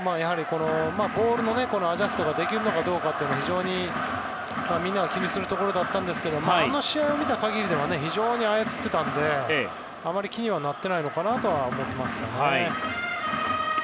ボールのアジャストができるかどうかも非常にみんなが気にするところでしたがあの試合を見た限りでは非常に操っていたのであまり気にはなってないのかなと思いますね。